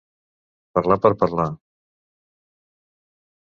Parlar per parlar.